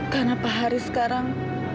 karena pak haris sekarang